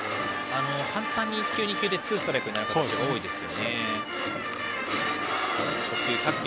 簡単に１球、２球でツーストライクになることが多いです。